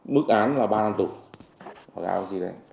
mức án là ba năm tục